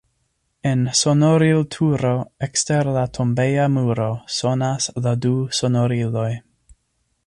En sonorilturo ekster la tombeja muro sonas la du sonoriloj.